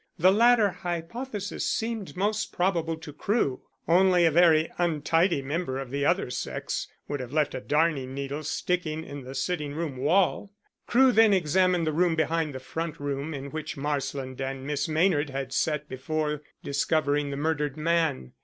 The latter hypothesis seemed most probable to Crewe: only a very untidy member of the other sex would have left a darning needle sticking in the sitting room wall. Crewe then examined the room behind the front room in which Marsland and Miss Maynard had sat before discovering the murdered man.